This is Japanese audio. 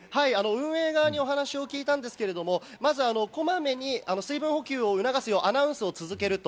運営側にお話を聞いたんですけれども、こまめに水分補給を促すようアナウンスを続けると。